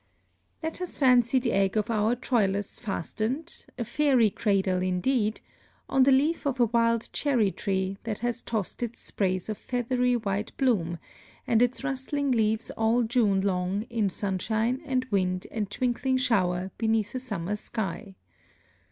Let us fancy the egg of our Troilus fastened a fairy cradle, indeed on the leaf of a wild cherry tree that has tossed its sprays of feathery white bloom, and its rustling leaves all June long in sunshine and wind and twinkling shower beneath a summer sky.